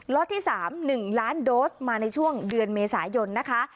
ที่๓๑ล้านโดสมาในช่วงเดือนเมษายนนะคะ